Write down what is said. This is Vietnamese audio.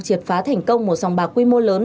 triệt phá thành công một sòng bạc quy mô lớn